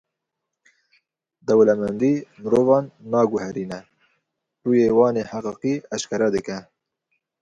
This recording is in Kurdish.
Dewlemendî mirovan naguherîne, rûyê wan ê heqîqî eşkere dike.